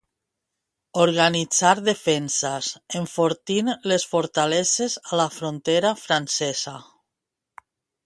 Organitzar defenses, enfortint les fortaleses a la frontera francesa.